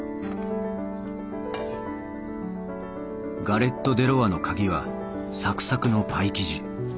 ガレット・デ・ロワの鍵はサクサクのパイ生地。